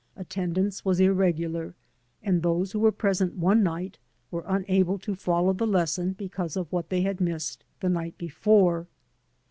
Attendance was irregular, and those who were present one night were unable to follow the lesson because of what they had missed the night before.